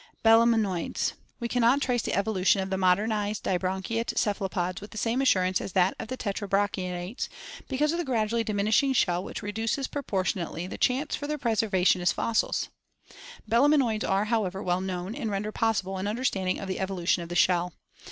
Belemnoids. — We can not trace the evolution of the modernized dibranchiate cephalopods with the same assurance as that of the tetrabranchiates, because of the gradually diminishing shell which reduces proportionately the chance for their preservation as fossils. Belemnoids are, however, well known and render possible an under standing of the evolution of the shell.